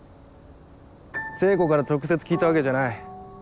聖子から直接聞いたわけじゃない。